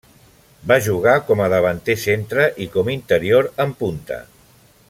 Va jugar com a davanter centre i com interior en punta.